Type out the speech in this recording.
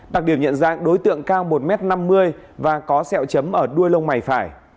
đặc điểm nhận dạng đối tượng cao một m năm mươi và có sẹo chấm ở đuôi lông mày phải